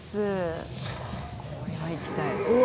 これは行きたい。